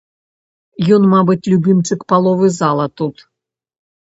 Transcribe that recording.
Ён, мабыць, любімчык паловы зала тут!